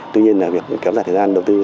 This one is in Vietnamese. tuy nhiên việc kéo dài thời gian đầu tư